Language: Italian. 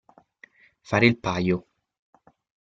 Fare il paio.